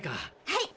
はい。